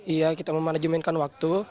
iya kita memanajemenkan waktu